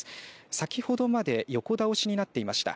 先ほどまで横倒しになっていました。